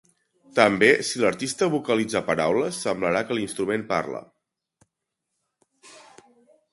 També, si l'artista vocalitza paraules, semblarà que l'instrument parla.